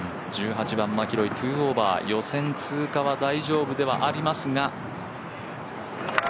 １８番、マキロイ、２オーバー、予選通過は大丈夫ではありますが。